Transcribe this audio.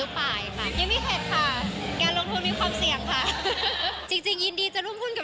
เราก็เหมือนมีการเอาธนายไปคุยกันแล้ว